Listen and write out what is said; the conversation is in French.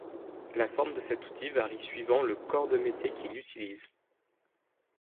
La forme de cet outil varie suivant le corps de métier qui l'utilise.